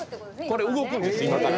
これ動くんです今から！